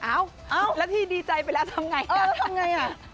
อ้าวแล้วที่ดีใจไปแล้วทำอย่างไรน่ะเออทำอย่างไรน่ะ